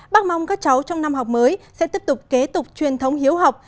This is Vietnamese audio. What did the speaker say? bác mong các cháu trong năm học mới sẽ tiếp tục kế tục truyền thống hiếu học